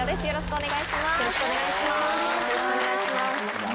よろしくお願いします。